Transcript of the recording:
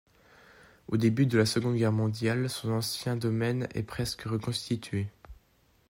Au début de la Seconde Guerre mondiale, son ancien domaine est presque reconstitué.